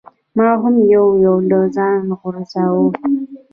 ما هم یو یو له ځانه غورځاوه.